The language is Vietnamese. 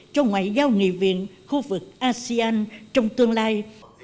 cho ngoại giao nghị viện khu vực asean trong tương lai